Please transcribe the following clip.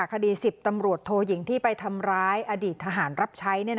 คดี๑๐ตำรวจโทยิงที่ไปทำร้ายอดีตทหารรับใช้